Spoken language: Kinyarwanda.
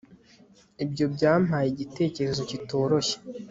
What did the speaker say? ibyo byampaye igitekerezo kitoroshye